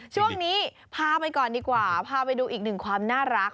ช่วงนี้พาไปก่อนดีกว่าพาไปดูอีกหนึ่งความน่ารัก